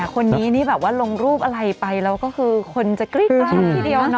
คนนี้นี่แบบว่าลงรูปอะไรไปแล้วก็คือคนจะกรี๊ดกล้าวทีเดียว